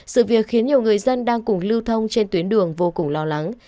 sự việc khiến nhiều người dân đang cùng lưu thông trên tuyến đường vô cùng lo lắng